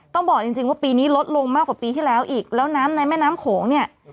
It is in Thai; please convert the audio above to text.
บอกจริงว่าปีนี้ลดลงมากกว่าปีที่แล้วอีกแล้วน้ำในแม่น้ำโขงเนี่ย